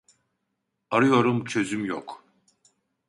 Arıyorum çözüm yok